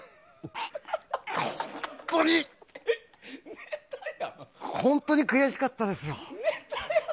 ほんっとうに本当に悔しかったですよ。